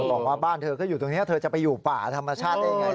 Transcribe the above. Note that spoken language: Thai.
บอกว่าบ้านเธอก็อยู่ตรงนี้เธอจะไปอยู่ป่าธรรมชาติได้ยังไง